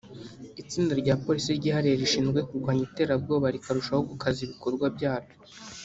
itsinda rya Polisi ryihariye rishinzwe kurwanya Iterabwoba rikarushaho gukaza ibikorwa bya ryo